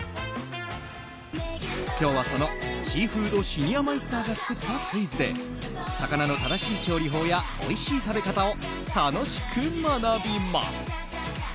今日は、そのシーフードシニアマイスターが作ったクイズで魚の正しい調理法やおいしい食べ方を楽しく学びます。